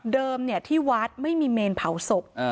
ที่วัดไม่มีเมนเผาศพ